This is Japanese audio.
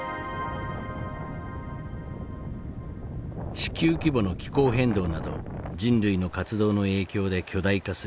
地球規模の気候変動など人類の活動の影響で巨大化する森林火災。